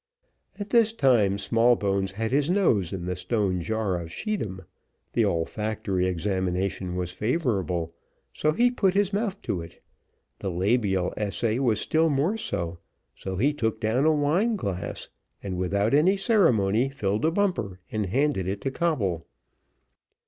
At this time Smallbones had his nose in the stone jar of scheedam the olfactory examination was favourable, so he put his mouth to it the labial essay still more so, so he took down a wine glass, and, without any ceremony, filled a bumper, and handed it to Coble.